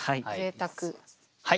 はい。